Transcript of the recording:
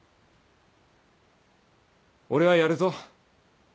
俺はやるぞ。